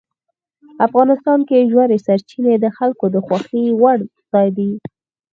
افغانستان کې ژورې سرچینې د خلکو د خوښې وړ ځای دی.